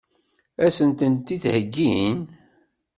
Ad sen-tent-id-heggin?